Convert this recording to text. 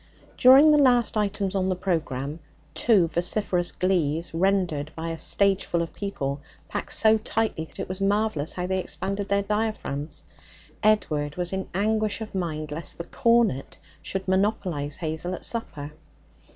During the last items on the programme two vociferous glees rendered by a stage full of people packed so tightly that it was marvellous how they expanded their diaphragms Edward was in anguish of mind lest the cornet should monopolize Hazel at supper.